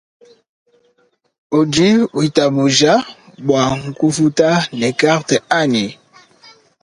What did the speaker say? Udi witabuja bua nkufuta ne karte anyi ?